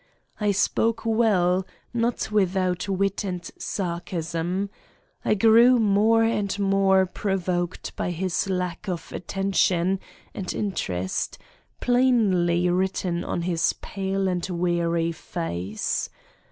I spoke well, not without wit and sarcasm. I grew more and more provoked by his lack of attention and interest, plainly written on his pale and weary face.